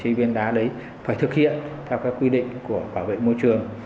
chế biến đá đấy phải thực hiện theo các quy định của bảo vệ môi trường